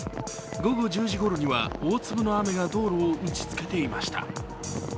午後１０時ごろには大粒の雨が道路を打ちつけていました。